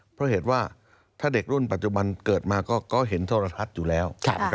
เพราะเหตุว่าถ้าเด็กรุ่นปัจจุบันเกิดมาก็เห็นโทรทัศน์อยู่แล้ว